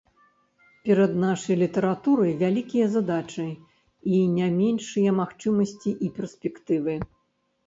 Перад нашай літаратурай вялікія задачы і не меншыя магчымасці і перспектывы.